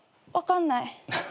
分かんない。